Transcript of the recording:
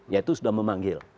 yaitu sudah memanggil